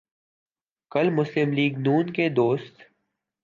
کل مسلم لیگ ن کے دوست